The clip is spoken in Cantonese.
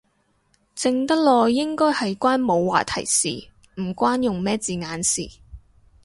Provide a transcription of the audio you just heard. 靜得耐應該係關冇話題事，唔關用咩字眼事